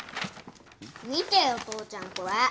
見てよ父ちゃんこれ。